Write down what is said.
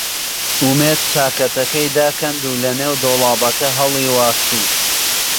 ئومێد چاکەتەکەی داکەند و لەنێو دۆڵابەکە هەڵی واسی.